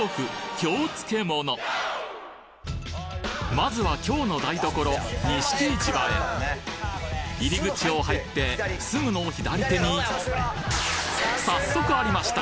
まずは京の台所錦市場へ入口を入ってすぐの左手に早速ありました！